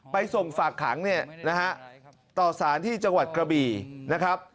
ไปส่งฝากขังเนี่ยนะฮะต่อสารที่จังหวัดกระบี่นะครับ